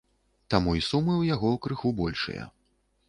Таму і сумы ў яго крыху большыя.